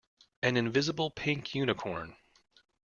An invisible pink unicorn.